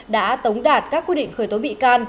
đã tống đạt các quy định khởi tố bị can